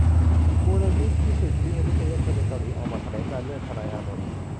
มูลนิธิสิทธิมนุษยชนในเกาหลีออกมาแถลงการณ์เรื่อง ทนายอานนท์